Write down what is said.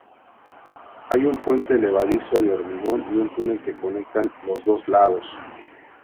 Hay un puente levadizo de hormigón y un túnel que conectan los dos lados.